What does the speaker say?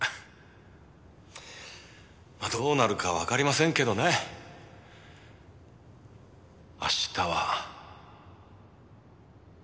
まあどうなるかわかりませんけどね明日は。